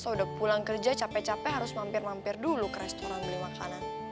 saya udah pulang kerja capek capek harus mampir mampir dulu ke restoran beli makanan